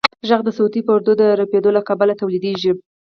غږ د صوتي پردو د رپېدو له کبله تولیدېږي.